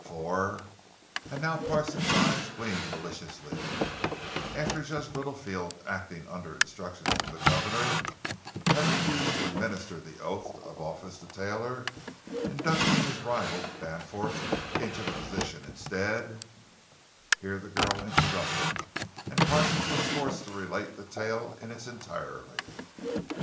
For"—and now Parsons' eyes gleamed maliciously—"after Judge Littlefield, acting under instructions from the governor, had refused to administer the oath of office to Taylor—inducting his rival, Danforth, into the position instead——" Here the girl interrupted, and Parsons was forced to relate the tale in its entirety.